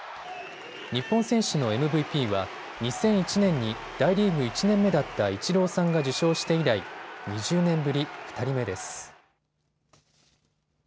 日本選手のＭＶＰは２００１年に大リーグ１年目だったイチローさんが受賞して以来、２０年ぶり２人目です。